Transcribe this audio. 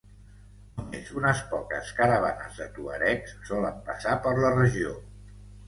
Només unes poques caravanes de tuaregs solen passar per la regió.